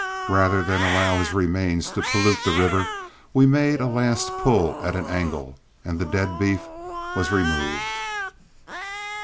Rather than allow his remains to pollute the river, we made a last pull at an angle, and the dead beef was removed.